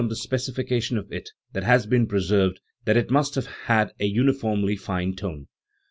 105 the specification of it that has been preserved that it must have had a uniformly fine tone*.